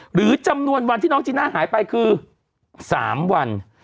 หรือจำนวนวันที่น้องจีน่าหายไปคือ๓วัน